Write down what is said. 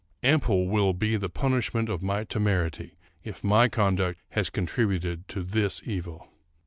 Ample will be the punishment of my temerity, if my conduct has contributed to this evil."